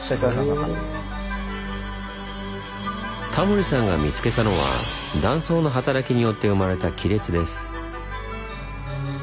タモリさんが見つけたのは断層の働きによって生まれた亀裂です。